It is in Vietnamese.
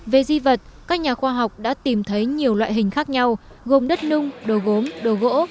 về di vật các nhà khoa học đã tìm thấy nhiều loại hình khác nhau gồm đất nung đồ gốm đồ gỗ